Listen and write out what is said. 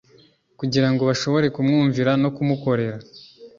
kugira ngo bashobore kumwumvira no kumukorera.